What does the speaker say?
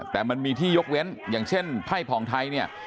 แต่มันมีที่ยกเว้นอย่างเช่นไพ่ผ่องไทยเนี่ย